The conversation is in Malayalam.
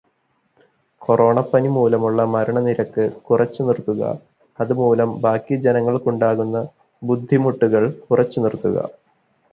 "കൊറോണപ്പനി മൂലമുള്ള മരണനിരക്ക് കുറച്ചു നിർത്തുക, അതുമൂലം ബാക്കി ജനങ്ങൾക്കുണ്ടാക്കുന്ന ബുദ്ധിമുട്ടുകൾ കുറച്ചു നിർത്തുക."